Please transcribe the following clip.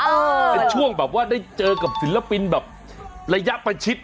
เป็นช่วงแบบว่าได้เจอกับศิลปินแบบระยะประชิด